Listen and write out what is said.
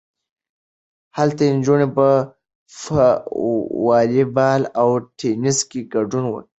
هلته نجونې په والی بال او ټینس کې ګډون کوي.